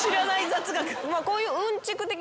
こういう。